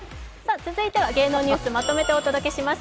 続いては芸能ニュースまとめてお届けします